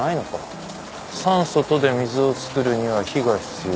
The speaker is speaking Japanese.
酸素とで水を作るには火が必要で。